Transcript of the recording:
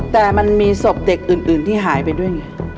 แต่มันมีศพเด็กอื่นที่หายไปด้วยไง